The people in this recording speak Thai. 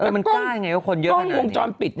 มันกล้ายไงว่าคนเยอะขนาดนี้กล้องวงจรปิด